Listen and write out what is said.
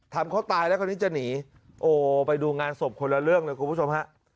เขาตายแล้วคราวนี้จะหนีโอ้ไปดูงานศพคนละเรื่องเลยคุณผู้ชมฮะ